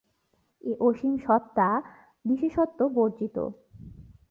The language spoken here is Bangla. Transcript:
এ-অসীম সত্তা বিশেষত্ব-বর্জিত।